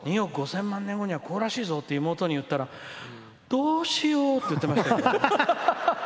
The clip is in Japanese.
２億５０００万年後はこうらしいぞ！って妹に言ったらどうしようって言ってました。